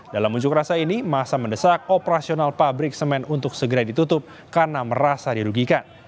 dalam unjuk rasa ini masa mendesak operasional pabrik semen untuk segera ditutup karena merasa dirugikan